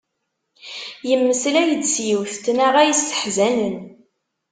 Yemmeslay-d s yiwet n tnaɣa yesseḥzanen.